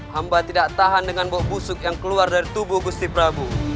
hamba tidak tahan dengan bau busuk yang keluar dari tubuh gusti prabu